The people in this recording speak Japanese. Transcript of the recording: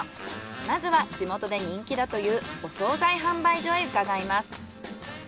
まずは地元で人気だというお惣菜販売所へ伺います。